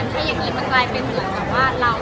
แต่คุณบอกว่าพาตอนมาขอโทษแล้ว